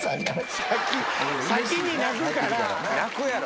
先に泣くから。